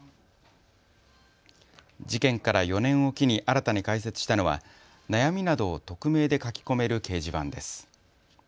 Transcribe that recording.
事件から４年を機に新たに開設したのは悩みなどを匿名で書き込める掲示板です。